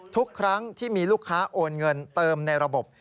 ทุกครั้งที่มีลูกค้าโอนเงินเติมในระบบ